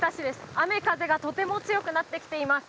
雨、風がとても強くなってきています。